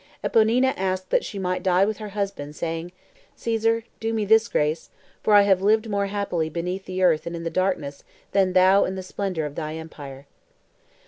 Eponina asked that she might die with her husband, saying, "Caesar, do me this grace; for I have lived more happily beneath the earth and in the darkness than thou in the splendor of thy empire."